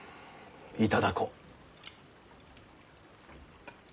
頂こう。